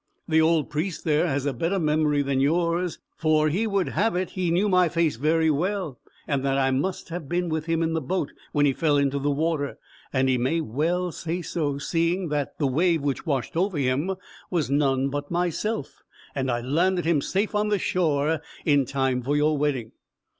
The old Priest there has a better memory than yours, for he would have it he knew my face very well, and that I must have been with him in the boat, when he fell into the water. And he may well say so, seeing that the wave which washed him over was none but myself, and I landed him safe on the shore, in time for your wedding."